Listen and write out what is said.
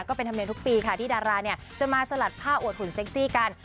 ก็เป็นธรรมเนียนทุกปีค่ะที่ดาราเนี่ยจะมาสลัดผ้าอวดหุ่นเซ็กซี่กัน